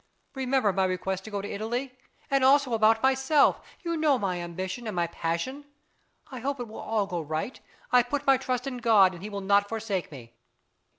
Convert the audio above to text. Remember my request as to Italy, and also about myself; you know my ambition and my passion. I hope it will all go right; I put my trust in God, and He will not forsake us.